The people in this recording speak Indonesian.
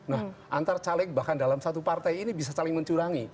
nah antar caleg bahkan dalam satu partai ini bisa saling mencurangi